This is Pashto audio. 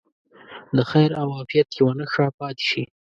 د خیر او عافیت یوه نښه پاتې شي.